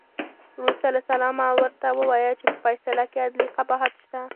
وروسته له سلامه ورته ووایه چې په فیصله کې عدلي قباحت شته.